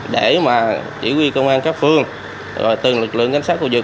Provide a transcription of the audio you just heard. để mà chỉ huy công an các phương từ lực lượng cảnh sát khu vực